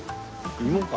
芋か。